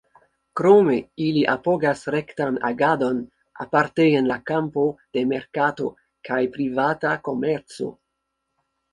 Krome, ili apogas rektan agadon, aparte en la kampo de merkato kaj privata komerco.